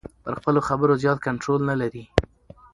پر خپلو خبرو زیات کنټرول نلري.